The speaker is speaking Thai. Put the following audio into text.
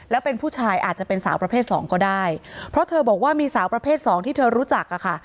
แล้วเป็นผู้ชายอาจจะเป็นสาวประเภทสองก็ได้เพราะเธอบอกว่ามีสาวประเภทสองที่เธอรู้จักอะค่ะ